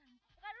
ini tinggal dimana